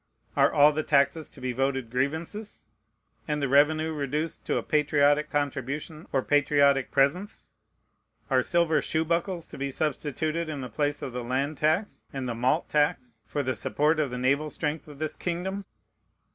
Are all the taxes to be voted grievances, and the revenue reduced to a patriotic contribution or patriotic presents? Are silver shoe buckles to be substituted in the place of the land tax and the malt tax, for the support of the naval strength of this kingdom?